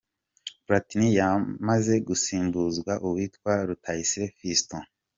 Platini yamaze gusimbuzwa uwitwa Rutayisire Fiston.